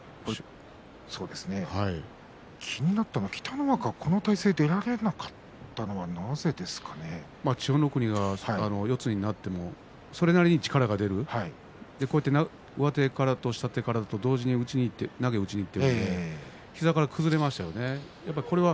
気になったのは北の若、この体勢で出られなかったのは千代の国が四つになってもそれなりに力が出る上手からと下手からと同時に投げを打ちにいってるので膝から崩れましたよね。